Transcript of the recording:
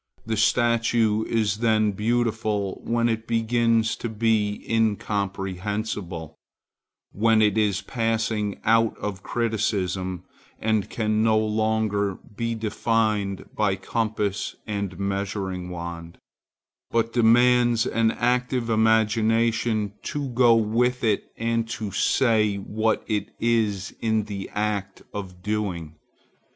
The statue is then beautiful when it begins to be incomprehensible, when it is passing out of criticism and can no longer be defined by compass and measuring wand, but demands an active imagination to go with it and to say what it is in the act of doing.